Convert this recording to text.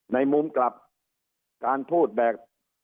ในมุมกลับการพูดแบบ